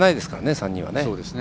３人は。